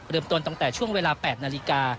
ต้นตั้งแต่ช่วงเวลา๘นาฬิกา